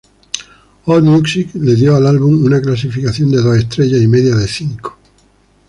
Allmusic le dio al álbum una clasificación de dos estrellas y media de cinco.